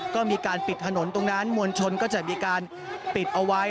ก็มีการปิดถนนตรงนั้นมวลชนก็จะมีการปิดเอาไว้